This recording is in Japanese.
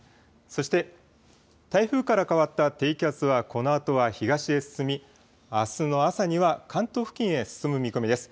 そして、台風から変わった低気圧はこのあとは東へ進みあすの朝には関東付近へ進む見込みです。